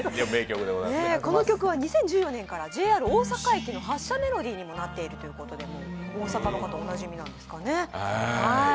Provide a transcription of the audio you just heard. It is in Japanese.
この曲は２０１４年からＪＲ大阪駅の発車メロディーになっているということで大阪の方、おなじみなんですかね。